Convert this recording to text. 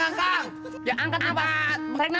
eto apa jadi lagi green ya